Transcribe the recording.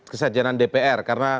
kesejanan dpr karena